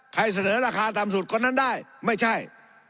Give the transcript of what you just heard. ใครเสนอราคาต่ำสุดคนนั้นได้ไม่ใช่